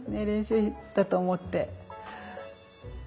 練習だと思って。